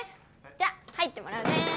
じゃ入ってもらうね。